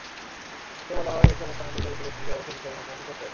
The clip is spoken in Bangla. এতে বলা হয়, এসব হত্যাকাণ্ডে জড়িত ব্যক্তিদের অবশ্যই বিচারের মুখোমুখি করতে হবে।